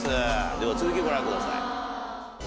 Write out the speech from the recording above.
では続きをご覧ください。